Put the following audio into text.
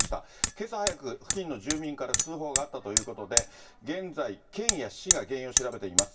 けさ早く、付近の住民から通報があったということで、現在、県や市が原因を調べています。